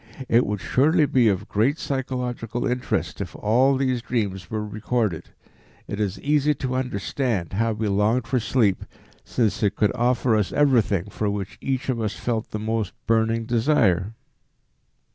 It would surely be of great psychological interest if all these dreams were recorded. It is easy to understand how we longed for sleep, since it could offer us everything for which each one of us felt the most burning desire."